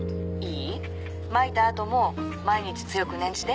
まいた後も毎日強く念じて。